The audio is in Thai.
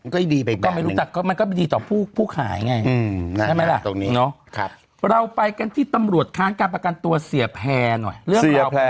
ก็ไม่รู้แต่มันก็ดีต่อผู้ผู้ขายไงใช่ไหมล่ะเราไปกันที่ตำรวจค้างการประกันตัวเสียแพร่หน่อย